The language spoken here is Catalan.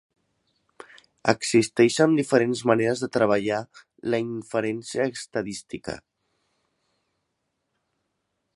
Existeixen diferents maneres de treballar la inferència estadística.